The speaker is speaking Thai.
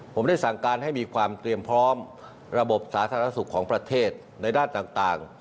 ผมได้สั่งการให้มีความเตรียมพร้อมระบบสาธารณสุขของประเทศในด้านต่าง